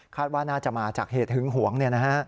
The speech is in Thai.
คาดว่าน่าจะมาจากเหตุหึ้งหวงเนี่ยนะฮะ